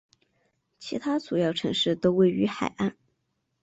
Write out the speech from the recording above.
其他主要城市都位于海岸。